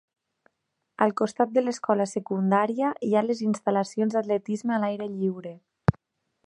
Al costat de l'escola secundària hi ha les instal·lacions d'atletisme a l'aire lliure.